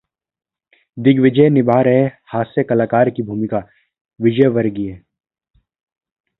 दिग्विजय निभा रहे हास्य कलाकार की भूमिका: विजयवर्गीय